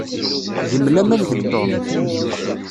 Gem laman deg Tom.